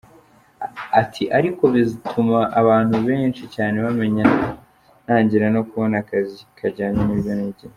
Ati “Ariko bituma abantu benshi cyane bamenya, ntangira no kubona akazi kajyanye nibyo nigiye”.